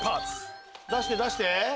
出して出して！